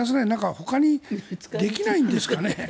ほかに何かできないんですかね。